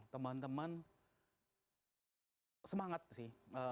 teman teman semangat sih